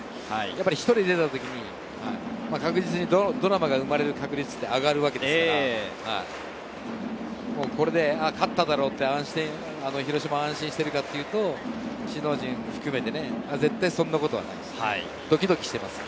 １人出たときに、確実にドラマが生まれる確率は上がるわけですから、これで勝っただろうと広島は安心しているかというと、首脳陣を含めて絶対そんなことはありません。